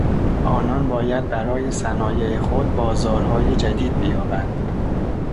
آنان باید برای صنایع خود بازارهای جدید بیابند.